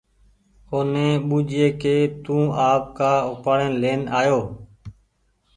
اوني ٻوجهيي ڪي تو آپ ڪآ اُپآڙين لين آيو